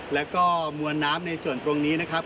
แล้วก็มวลน้ำในส่วนตรงนี้นะครับ